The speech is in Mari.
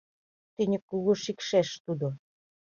Тӱньык кугу Шикшеш тудо